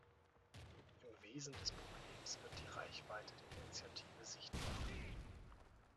Im Wesen des Problems wird die Reichweite der Initiative sichtbar.